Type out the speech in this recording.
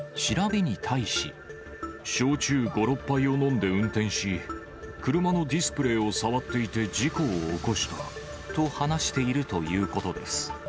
焼酎５、６杯を飲んで運転し、車のディスプレーを触っていて事故を起こした。と、話しているということです。